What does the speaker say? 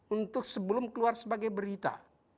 untuk sebelum keluar sebagai berita